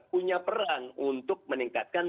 punya perang untuk meningkatkan